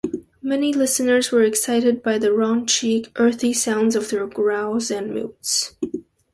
Many listeners were excited by the raunchy, earthy sounds of their growls and mutes.